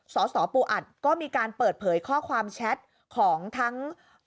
สสปูอัดก็มีการเปิดเผยข้อความแชทของทั้ง